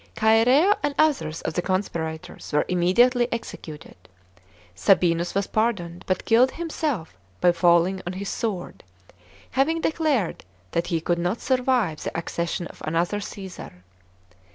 Chasrea and others of the conspirators were immediately executed. Sabinus was pardoned, but killed himself by falling on his sword, having declared that he could not survive the accession of another Caesar.